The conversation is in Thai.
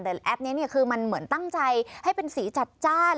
แต่แอปนี้เนี่ยคือมันเหมือนตั้งใจให้เป็นสีจัดจ้าน